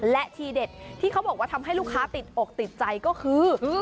และทีเด็ดที่เขาบอกว่าทำให้ลูกค้าติดอกติดใจก็คือ